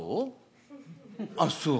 あっそう？